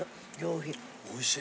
・おいしい！